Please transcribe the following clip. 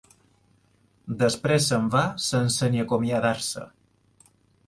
Després se'n va sense ni acomiadar-se.